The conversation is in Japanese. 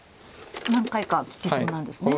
何回か利きそうなんですね。